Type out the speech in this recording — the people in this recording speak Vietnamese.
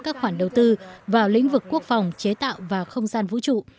các khoản đầu tư vào lĩnh vực quốc phòng chế tạo và không gian vũ trụ